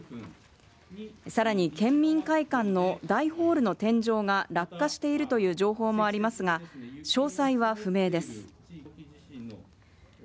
さらに県民会館の大ホールの天井が落下している情報もありますが詳細は不明です。